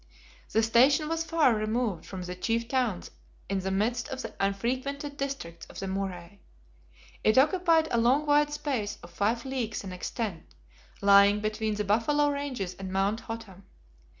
The station was far removed from the chief towns in the midst of the unfrequented districts of the Murray. It occupied a long wide space of five leagues in extent, lying between the Buffalo Ranges and Mount Hottam.